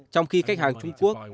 trong khi khách hàng trung quốc